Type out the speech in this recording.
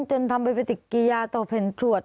จนทำไปปฏิกิยาต่อแผ่นตรวจ